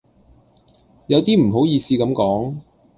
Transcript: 有啲唔好意思咁講